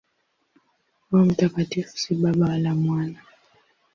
Roho Mtakatifu si Baba wala Mwana.